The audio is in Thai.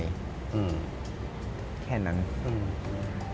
ฉันไม่สนใจว่าคนอื่นจะสมมุติฉันยังไง